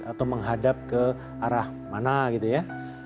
atau menghadap ke arah mana gitu ya